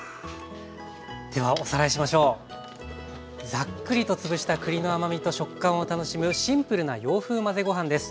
ざっくりと潰した栗の甘みと食感を楽しむシンプルな洋風まぜご飯です。